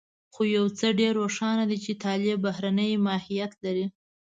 خو يو څه ډېر روښانه دي چې طالب بهرنی ماهيت لري.